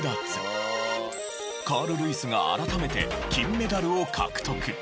カール・ルイスが改めて金メダルを獲得。